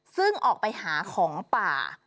ซึ่งออกไปหาของป่า